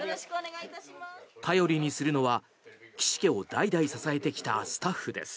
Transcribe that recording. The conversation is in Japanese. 頼りにするのは岸家を代々支えてきたスタッフです。